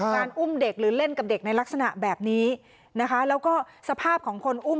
อุ้มเด็กหรือเล่นกับเด็กในลักษณะแบบนี้นะคะแล้วก็สภาพของคนอุ้ม